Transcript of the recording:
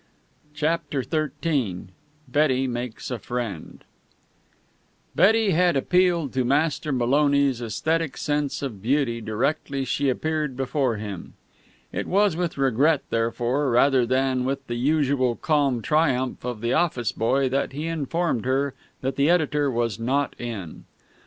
CHAPTER XIII BETTY MAKES A FRIEND Betty had appealed to Master Maloney's esthetic sense of beauty directly she appeared before him. It was with regret, therefore, rather than with the usual calm triumph of the office boy, that he informed her that the editor was not in.